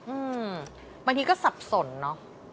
อืมบางทีก็สับสนเนอะ